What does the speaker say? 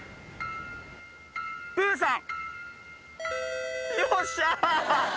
プーさん。